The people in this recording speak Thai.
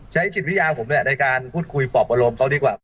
ใช้จิตวิทยาผมในการพูดคุยปอบอารมณ์เขาดีกว่า